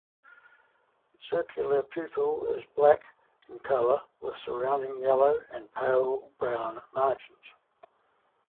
Circular pupil is black in color with surrounding yellow and pale brown margins.